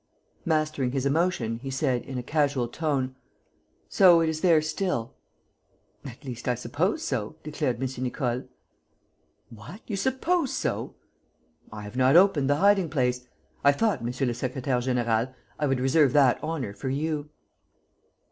Mastering his emotion, he said, in a casual tone: "So it is there still?" "At least, I suppose so," declared M. Nicole. "What! You suppose so?" "I have not opened the hiding place. I thought, monsieur le secrétaire; général, I would reserve that honour for you."